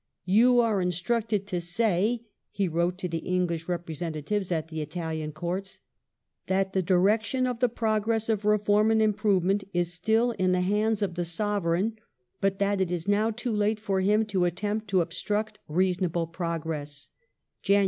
" You are in ^^^8 structed to say" (he wrote to the English representatives at the Italian Coui ts) " that the direction of the progress of reform and improvement is still in the hands of the Sovereign, but that it is now too late for them to attempt to obstruct reasonable progress " (Jan.